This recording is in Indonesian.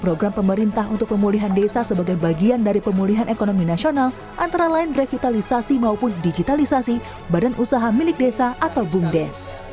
program pemerintah untuk pemulihan desa sebagai bagian dari pemulihan ekonomi nasional antara lain revitalisasi maupun digitalisasi badan usaha milik desa atau bumdes